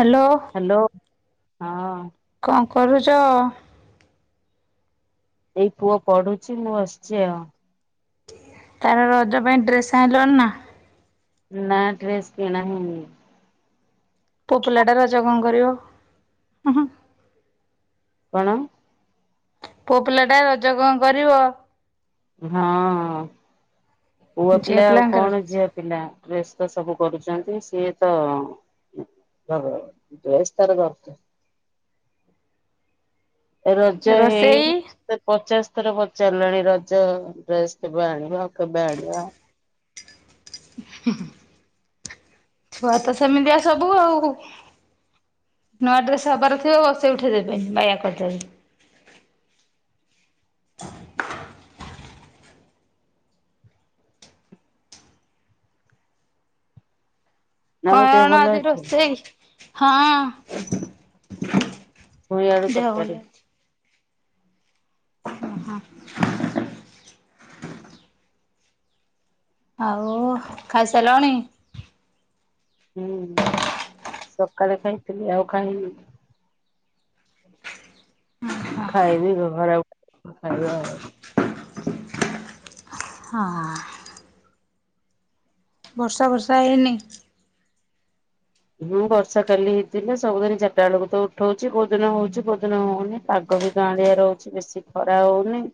Hello. Hello ହଁ। କଣ କରୁଛ? ଏଇ ପୁଅ ପଢୁଛି ମୁଁ ଅସଛି ଆଉ। ତାର ରଜ ପାଇଁ ଡ୍ରେସ୍ ଆଣିଲଣିି ନା? ନା ଡ୍ରେସ୍ କିଣା ହେଇନି। ପୁଅ ପିଲାଟା ରଜା କଣ କରିବ [unintelligible] କଣ? ପୁଅ ପିଲାଟା ରଜ କଣ କରିବ? ହଁ ପୁଅ ଝିଅ ପିଲା ଆଉ ପିଲାଙ୍କର କଣ ରଜ ଝିଅ ପିଲା ଡ୍ରେସ୍ ତ ସବୁ କରୁଛନ୍ତି ସିଏ ତ [unintelligible] ରଜ ରୋଷେଇ ହେଇନି ସିଏ ପଚାଶ ଥର ପଚାରିଲାଣି ରଜ ଡ୍ରେସ୍ କେବେ ଆଣିବା ଆଉ? କେବେ ଆଣିବା? [unintelligible] ଛୁଆ ତ ସେମିତିଆ ସବୁ ଆଉ। ନୂଆ ଡ୍ରେସ୍ ହବାର ଥିବ ବସେଇ ଉଠେଇଦେବେନି ବାୟା କରିଦେବେ। ନା ଆଉ ଦେହ କଣ ଭଲ ଆଜି ଅଛି ରୋଷେଇ ହଁ। ପୁଳିଆଳୁ, ଦେହ ଭଲ ତରକାରୀ। ଓ ହୋ। ଆଉ ଖାଇସାରିଲଣି? ହୁଁ ସକାଳେ ଖାଇଥିଲି ଆଉ ଖାଇନି। ଖାଇବି [unintelligible] ଖାଇବା ଆଉ ହଁଁ ହଁ। ବର୍ଷା ବର୍ଷା ହେଇନି? ହୁଁ ବର୍ଷା କାଲି ହେଇଥିଲା ସବୁଦିନ ଚାରିଟା ବେଳକୁ ତ ଉଠଉଛି କୋଉଦିନ ହଉଛି କୋଉଦିନ ହଉନି। ପାଗ ବି ଜାଁଳିିଆ ରହୁଛି ବେଶୀ ଖରା ହଉନି।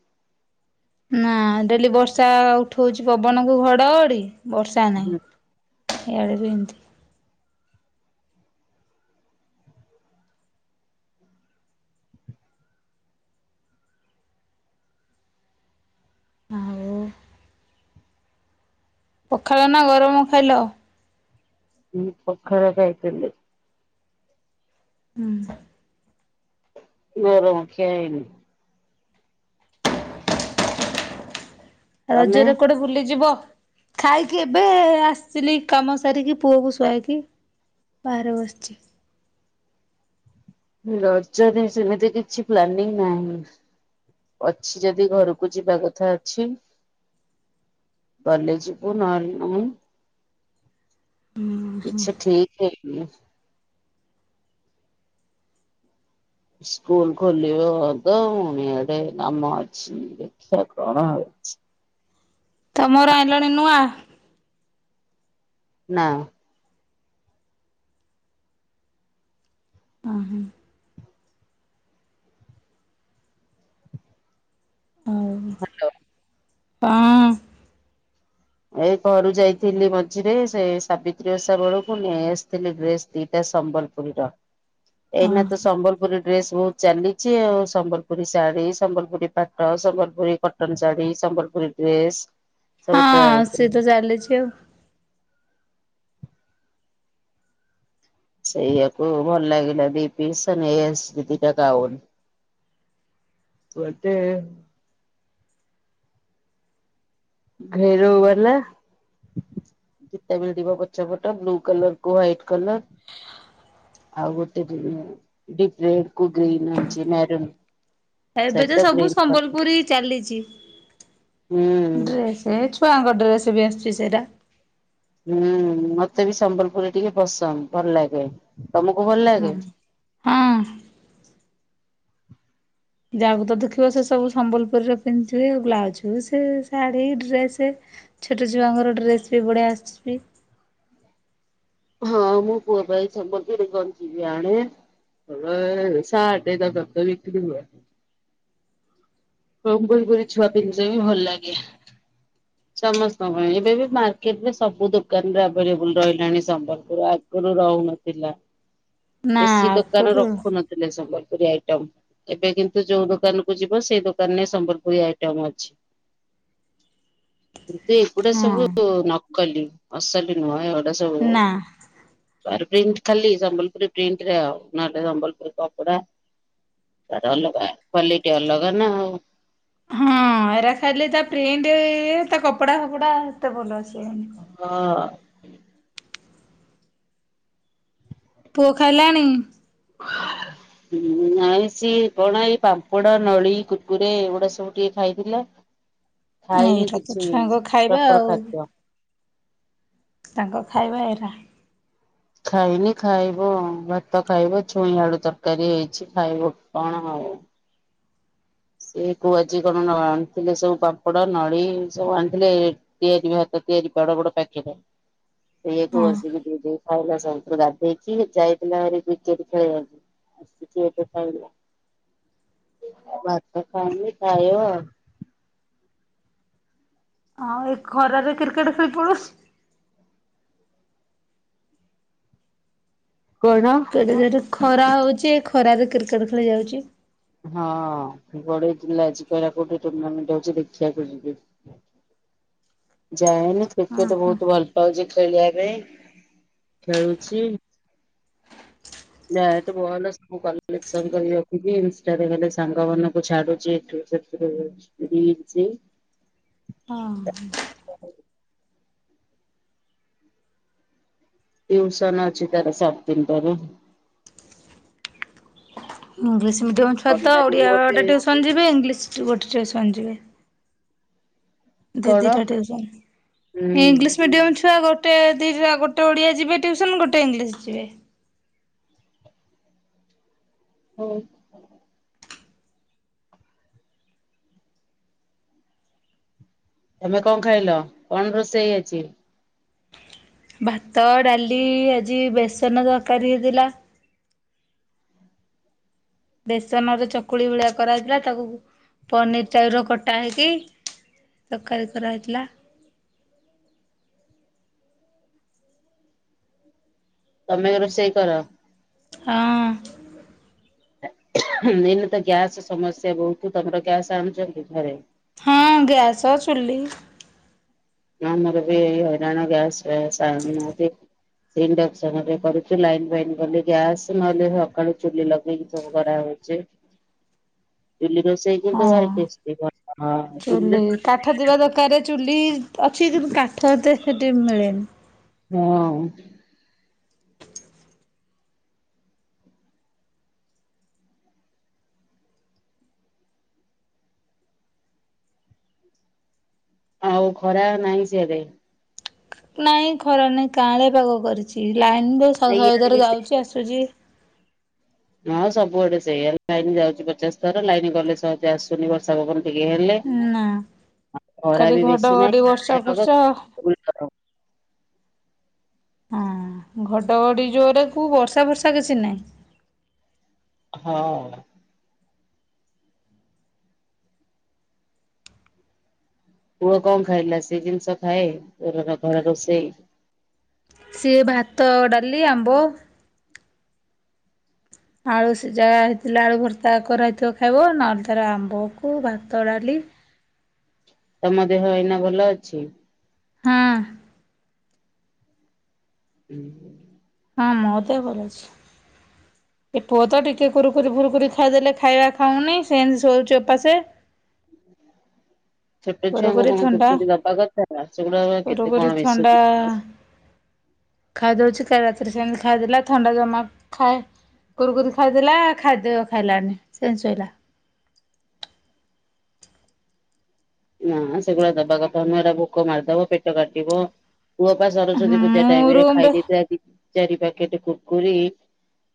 ହଁ ଡେଲି ବର୍ଷା ଉଠଉଛି ପବନ କୁ ଘଡଘଡି ବର୍ଷା ହୁଁ। ନାହିଁ। ଏଇଆଡ଼େ ବି ଏମିତି। ଆଉ ପଖାଳ ନା ଗରମ ଖାଇଲ? ମୁଁପଖାଳ ଖାଇଥିଲି। ହୁଁ। ବର ମୁଖିଆ ଯାଇନି। ତମେ? ରଜରେ କୁଆଡେ ବୁଲିଯିବ? ଖାଇକି ଏବେ ଆସିଥିଲି କାମ ସାରିକି ପୁଅକୁ ଶୁଆଇକି ବାହାରେ ବସିଛି। ରଜଦ ସେମିତି କିଛି ପ୍ଲାନିଂ ନାହିଁ। ଅଛି ଯଦି ଘରକୁ ଯିବା କଥା ଅଛି। ଗଲେ ଯିବୁ ନହେଲେ ନାଇଁ। ଆଛା ଠିକ୍ ହେଇନି। ସ୍କୁଲ ଖୋଲିିବ ଅଦ ମୋଏଆଡେ କାମ ଅଛି। ଦେଖିଆ କଣ ହେଉଛି। ତମର ଆଇିଲଣି ନୂଆଁ? ନା। ହା ହୁଁ। ହାଲୋ। ହଁ। ଏଇ ଘରୁ ଯାଇଥିଲି ମଝିରେ ସେ ସାବିତ୍ରୀ ଓଷା ବେଳକୁ ନେଇ ଆସିଥିଲି ଡ୍ରେସ ଦିଟା ସମ୍ବଲ ପୁରୀର ହଁ ଏଇନା ତ ସମ୍ବଲପୁରୀ ଡ୍ରେସ ବହୁତ ଚାଲିଚି ଆଉ ସମ୍ବଲପୁରୀ ଶାଢୀ ସମ୍ବଲପୁରୀ ପାଟ ସମ୍ବଲପୁରୀ କଟନ ଶାଢୀ ସମ୍ବଲପୁରୀ ଡ୍ରେସ୍ ସବୁ ଟ୍ରାଏ ହଁ ସେ ତ ଚାଲିଛି ଆଉ। ସେଇଆାକୁ ଭଲ ଲାଗିଲା ଦି ପି ସେ ନେଇଆସଛି ଦିଟା ଗାଉନ। ଗୋଟେ ରେରେଉ ଗଲା। ଯେତେ ବେଳେ ଯିବ ପଛ ପଟ ବ୍ଲୁ କଲର କୁ ହ୍ାଇଟ କଲର ଆଉ ଗୋଟେଡି ମ [unintelligible] ଏବେ ତ ସବୁ ସମ୍ବଲପୁରି ଚାଲିଛି। ହୁଁ। ଡ୍ରେସ ଏ ଛୁଆଙ୍କ ଡ୍ରେସ ବି ଆସୁଛି ସେଇଟା। ହୁଁ ମତେ ବି ସମ୍ବଲପୁରୀ ଟିକେ ପସନ୍ଦ ଭଲ ଲାଗେ ତମକୁ ଭଲ ହଁ। ଲାଗେ? ହଁ। ଯାହାକୁ ତ ଦେଖିବ ସେ ସବୁ ସମ୍ବଲପୁରୀରେ ପିନ୍ଧିଥିବେ ଆଉ ବ୍ଲାଉଜ ସେ ଶାଢୀ ଡ୍ରେସ ଛୋଟ ଛୁଆଙ୍କର ଡ୍ରେସ୍ ବି ବଢ଼ିଆ ଆସିଛି। ହଁ ମୁଁ ପୁଅ ପାଇ ସମ୍ବଲରେ କଣ ଯିବେ ଆଣିବେ। ସା ଟେ। ସମ୍ବଲ ପୁରି ଛୁଆ ପିନ୍ଧି ଚ ନ୍ତି ଭଲ ଲାଗେ। ସମସ୍ତଙ୍କ ପାଇଁ ଏବେ ବି ମାର୍କେଟରେ ସବୁ ଦୋକାନରେ ଆଭେଲେବୁଲ ରହିଲାଣି ସମ୍ବଲପୁର ଆ ଗରୁ ରହୁନଥିଲା ନା ବେଶୀ ଦୋକାନ ଆଗରୁ ରଖୁନଥିଲେ ସମ୍ବଲପୁରୀ ଆଇଟମ। ଏବେ କିନ୍ତୁ ଯୋଉ ଦୋକାନ କୁ ଯିବ ସେଇ ଦୋକାନରେ ସମ୍ବଲପୁରୀ ଆଇଟମ ଅଛି। କିନ୍ତୁ ଏଗୁଡା ହଁ ସବୁ ନକଲି ଅସଲି ନୁହେଁ ଏଗୁଡା ସବୁ। ନା ବା ପ୍ରିଣ୍ଟ ଖାଲି ସମ୍ବଲପୁରି ପ୍ରିଣ୍ଟରେ ନ ହେଲେ ସମ୍ବଲପୁର କପଡ଼ା। ତାର ଅଲଗା କ୍ଵାଲିଟି ଅଲଗା ନା ଆଉ। ହଁ ଏରା ଖାଲି ତା ପ୍ରିଣ୍ଟ ତା କପଡା ଫପଡା ଏତେ ଭଲ ଅସି ଵ ନି ହଁ। ପୁଅ ଖାଇଲାଣି। [unintelligible] ହୁଁ ଆଉ ସିଏ କଣ ଏଇ ପାମ୍ପଡ ନଳି କୁଟକୁରେ ଏଗୁଡା ସବୁ ଟିକେ ଖାଇଥିଲା। ଖାଇନି ଏଇଟା ତ କିଛି ଛୁଆଙ୍କ ଖାଇବା ଡଫର୍ ଆଉ ଖାଦ୍ୟ। ତାଙ୍କ ଖାଇବା ଏଇରା। ଖାଇନି ଖାଇବ ଭାତ ଖାଇବ ଛୁଇଁ ଅଳୁ ତରକାରୀ ହେଇଛି ଖାଇବ କଣ ହଉ ସେ କୁ ଆଜି କଣ ନ ଆଣିଥିଲେ ସବୁ ପାମ୍ପଡ ନଳି ସବୁ ଆଣିଥିଲେ ତିଆରି ବି ହାତ ତିଆରି ବଡ ବଡ ପକେଟ ସେଇୟା କୁ ହଁ। ବସିକି ପୁ ଖାଇଲା ସବୁୁ ଗାଧେଇକି ଯାଇଥିଲା ଆରି କ୍ରିକେଟ ଖେଳିବା କୁ। କେକେ ଖାଇଲା ବାତ ଖାଇନି ଖାଇଵ ଆ ହଁ ଏ ଖରାରେ କ୍ରିକେଟ ଖେଳି ପଡୁଛି। କଣ। ଯଠି ଖରା ହଉଛି ଖରାରେ କ୍ରିକେଟ ଖେଳି ଯାଉଛି। ହଁ ବଡେଇ ଥିଲା ଆଜି କହିବା କୋଉଠି ଟୁର୍ଣ୍ଣାମେଣ୍ଟ ହଉଛି ଦେଖିବାକୁ ଯିବି। ଯାଏନି ହଁ କ୍ରିକେଟ ହଁ ବହୁତ ଭଲ ପାଉଛି ଖେଳିବା ପାଇଁ ଖେଳୁଛି। ନା ହେଟୁ ବଲ [unintelligible] ହେଲା ସବୁ କ ରଖୁଛି ଇନଷ୍ଟା ରେ ଖାଲି ସାଙ୍ଗମାନାନଙ୍କୁ ଛାଡୁଚି ଏଠୁ ସେ [unintelligible] ବିଚି ହଁ। [unintelligible] ଟିଉସନ ଅଛି ତାର ସାଢେ ତିନି ଟା ରେ। ଇଂଲିଶ ମିଡ଼ିୟମ୍ ଛୁଆ ତ ଥଣ୍ଡା ଟିକେ ଓଡ଼ିଆ ମତେ ଟେ ଟୀୟୁସନ୍ ଯିବେ ଇଂଲିଶ ଗୋଟେ ଟିଉସନ୍ ଯିବେ। କଣ ଦିଦିଟାସ ଟିଉ ସ ନ୍ ହୁଁ। ଇଂଲିଶ ମିଡିୟମ ଛୁଆ ଗୋ ଗୋଟେ ଦିଇଟା ଗୋଟେ ଓଡିଆ ଯିବେ ଟ୍ୟୁସନ ଗୋଟେ ଇଂଲିଶ ଯିବେ। ହଉ। ତମେ କଣ ଖାଇଲ କଣ ରୋଷେଇ ହେଇଛି। ଭାତ ଡାଲି ଆଜି ବେସନ ତରକାରୀ ହେଇଥିଲା। ବେସନରେ ଚକୁଳି ଭଳିଆ କରାହେଇଥିଲା ତାକୁ ପନିର ଷ୍ଟାଇଲ ର କଟା ହେଇକି ତରକାରୀ କରାହେଇଥିଲା। ତମେ ରୋଷେଇ କର। ହଁ। ମେନ ତ ଗ୍ୟାସ ସମସ୍ୟା ବହୁତ ତମର ଗ୍ୟାସ ଆଣୁଛନ୍ତି ଘରେ। ହଁ ଗ୍ୟାସ ଚୁଲି। ଆମର ବି ହଇରାଣ ଗ୍ୟାସସାୟ ଆଣୁନାହାନ୍ତି। ସେଇ ଇଣ୍ଡକ୍ସନରେ କରୁଚି ଲାଇନ୍ ଫାଇନ୍ ଗଲେ ଗ୍ୟାସ୍ ନହେଲେ ସକାଳୁ ଚୁଲି ଲଗେଇକି ସବୁ କରାହଉଚି। ଚୁଲି ରୋଷେଇ [unintelligible] ହଁ। ଚୁଲି କାଠ ଥିବା ଦରକାର ଚୁଲି ଅଛି କିନ୍ତୁ କାଠ ଏତେ ସେଠି ମିଳେନି। ହଁ। ଆଉ ଖରା ନାହିଁ ସିଆଡେ? ନାଇଁ ଖରା ନାହିଁ କାଁଳିଆ ପାଗ କରିଚି ଲାଇନବି ଶହେ ଇଆଡେ ବି ଥର ସେ ଯାଉଚି ଆସୁଚି। ହଁ ସବୁଆଡ଼େ ସେଇଆ ଲାଇନ୍ ଯାଉଚି ପଚାଶ ଥର ଲାଇନ୍ ଗଲେ ସହଜେ ଆସୁନି ବର୍ଷା ପବନ ଟିକେ ହେଲେ ନା। ଖାଲି ଖରାବି ବେଶୀ ଘଡ଼ଘଡ଼ି ନାହିଁ ବର୍ଷା କାଁଳିଆ ପାଗ ଫର୍ଷା ହଁ [unintelligible] ହଁ ଘଡଘଡି ଜୋରେକୁ ବର୍ଷା ଫର୍ଷା କିଛି ନାହିଁ। ହଁ। ପୁଅ କଣ ଖାଇଲା ସେଜିନିଷ ଖାଏ [unintelligible] ଘରେ ରୋଷେଇ? ସିଏ ଭାତ ଡାଲି ଆମ୍ବ ଆଳୁ ସିଝା ହେଇଥିଲେ ଆଳୁ ଭର୍ତ୍ତା କରା ହେଇଥିବ ଖାଇବ ନହେଲେ ତାର ଆମ୍ବକୁ ଭାତ, ଡାଲି ତମ ଦେହ ଏଇନା ଭଲ ଅଛି? ହୁଁ। ଉଁ ହୁଁ ‌ ହଁ ମୋଦେହ ଭଲ ଅଛି। ଏ ପୁଅତ ଟିକେ କୁରୁକୁରି ଫୁରୁକୁରି ଖାଇଦେଲେ ଖାଇବା ଖାଉନି ସେମିତି ଶୋଉଚି ଓପାସେ। ଛୋଟ ଛୁଆଙ୍କୁ କୁରୁକୁରି କଣ ଥଣ୍ଡା କୁୁରକୁରି ଦବା କଥା ସେଗୁଡା କେତେ କଣ କୁରୁକୁରି ଥଣ୍ଡା ମିଶୁଛି। ଖାଇଦଉଚି କାଲି ରାତିରେ ସେମିତି ଖାଇଦେଲା ଥଣ୍ଡା ଜମା ଥାଏ କୁରୁକୁରି ଖାଇଦେଲା ଖାଦ୍ୟ ଖାଇଲାନି ସେମିତି ଶୋଇଲା। ନା ସେଗୁଡ଼ା ଦବା କଥା ନୁହଁ ହେରା ଭୋକ ମାରିଦବ ପେଟ କାଟିବ ପୁଅପା ସରସ୍ଵତୀ ପୂଜା ମୁଁ ଟାଇମରେ ଖାଇ ରୁମରେ ଦେଇଥିଲା ଦି ଚାରି ପ୍ୟାକେଟ କୁକୁରି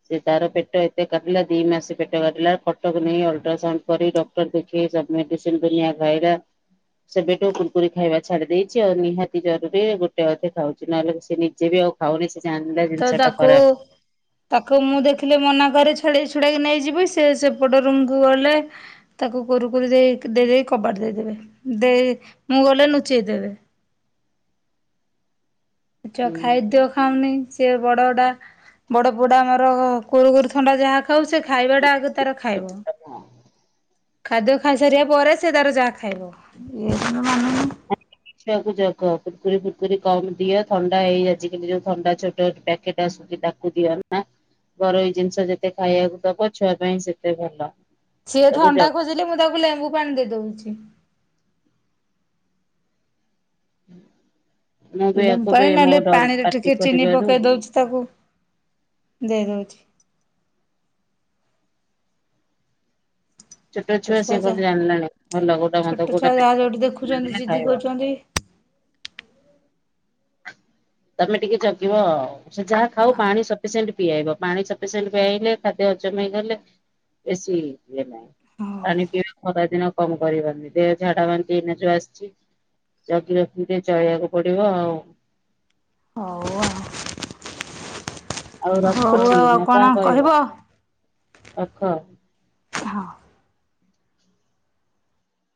ସେ ତାର ପେଟ ଏତେ କାଟିଲା ଦି ମାସେ ପେଟ କାଟିଲା କଟକ ନେଇ ଅଲଟ୍ରାସାଉଣ୍ଡ କରି ଡ ଦେଖି ସବୁ ମେଡ଼ିସିନ୍ ଦୁନିଆ ଖାଇଲା ସେବେଠୁ କୁରୁକୁରି ଖାଇବା ଛାଡ଼ି ଦେଇଚି ଆଉ ନିହାତି ଜରୁରୀରେ ଗୋଟେ ଅଧେ ଖାଉଚି ନହେଲେ ସେ ନିଜେବି ଆଉ ଖାଉନି ସେ ଚାଣିଲା ତ ଜିନିଷଟା ତାକୁ ଖରାପ୍। ତାକୁ ମୁଁ ଦେଖିଲେ ମନା କରେ ଛଡ଼େଇ ଛୁଡ଼ାଇକି ନେଇଯିବି ସେ ସେପଟ ରୁମକୁୁ ଗଲେ ତାକୁ କୁରୁକୁରି ଦେଇ ଦେଇକି କବାଟ ଦେଇଦେବେ ଦେଇ ମୁଁ ଗଲେ ଲୁଚେଇ ଦେବେ। ଆଛ ହୁଁ। ଖାଇଦିଅ ଖାଉନି ସେବଡ଼ଟା ବଡ଼ ପୁଅଟା ଆମର କୁରୁକୁରି ଥଣ୍ଡା ଯାହା ଖାଉ ସେ ଖାଇବାଟା ଆଗ ତାର ଖାଇବ। ଖାଦ୍ୟ ଖାଇସାରିବା ପରେ ସେତାର ଯାହା ଖାଇବ ଇଏତାର ମାନୁନି। [inaudible] ଛୁଆକୁ ଜଗ କୁରୁକୁରି ଫୁରୁକୁରି କମ ଦିଅ ଥଣ୍ଡା ହେଇ ଆଜିକାଲି ଯୋଉ ଥଣ୍ଡା ଛୋଟ ପ୍ୟାକେଟ ଆସୁଚି ତାକୁ ଦିଅନା ଘରୋଇ ଜିନିଷ ଯେତେ ଖାଇବାକୁ ଦବ ଛୁଆ ପାଇଁ ସେତେ ଭଲ। ସିଏ ସବୁ ଥଣ୍ଡା ଜ ଖୋଜିଲେ ମୁଁ ତାକୁ ଲେମ୍ବୁ ପାଣି ଦେଇ ଦଉଚି। [inaudible] ବି ଲେମ୍ବୁ ୟାକୁ ବି ପାଣି ମୋ ନହେଲେ ଡର ପାଣିରେ ପାଟି ଟିକେ ଚିନି କରିବାରୁ ପକେଇ ଦଉଚି ତାକୁ ଦେଇ ଦଉଚି। ଛୋଟ ଛୁଆ ସିଏ କଣ ଜାଣିଲାଣି ଭଲ କୋଉଟା ମନ୍ଦ ଛୋଟ ଛୁଆ କୋଉଟା ଯାହା ଯୋଉଠି ଦେଖୁଛନ୍ତି ମାଗିଲେ ଜିଦି ଖାଇବ। କରୁଛନ୍ତି। ତମେ ଟିକେ ଜଗିବ ଆଉ। ସେ ଯାହା ଖାଉ ପାଣି ସଫିସେଣ୍ଟ୍ ପିଆଇବ ପାଣି ସଫିସେଣ୍ଟ୍ ପିଆଇଲେ ଖାଦ୍ୟ ହଜମ ହେଇଗଲେ ବେସି ଇଏ ନାହିଁ। ହଉ ପାଣି ପିଇବା ଖରା ଦିନ କମ୍ କରିବନି ଦେହ ଝାଡା ବାନ୍ତି ଏଇନା ଯୋଉ ଆସିଚି। ଜଗି ରଖିକି ଟିକେ ଚଳିବାକୁ ପଡିବ ଆଉ। ହଉ ଆଉ। ଆଉ ହଉ ରଖୁଛି ଆଉ ଆଉ ନା କଣ କହିବ ରଖ। ହଁ।